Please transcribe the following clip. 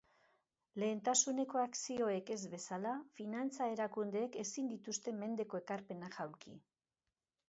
Lehentasuneko akzioek ez bezala, finantza-erakundeek ezin dituzte mendeko ekarpenak jaulki.